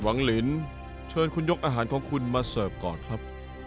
ลินเชิญคุณยกอาหารของคุณมาเสิร์ฟก่อนครับ